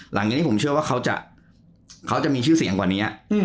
หลังจากนี้ผมเชื่อว่าเขาจะมีชื่อเสียงกว่านี้